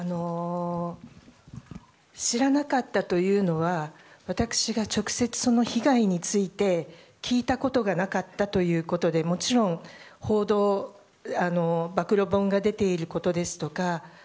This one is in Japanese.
知らなかったというのは私が直接その被害について聞いたことがなかったということでもちろん報道や暴露本が出ていることですとか